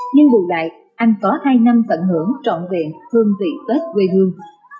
nhưng bù đại anh có hai năm tận hưởng trọn vẹn thương vị tết quê hương